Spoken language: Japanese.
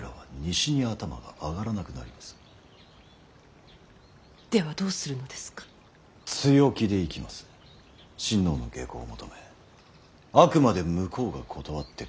親王の下向を求めあくまで向こうが断ってくるのを待つ。